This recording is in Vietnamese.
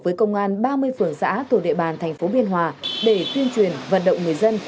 với công an ba mươi phường xã tổ địa bàn tp biên hòa để tuyên truyền vận động người dân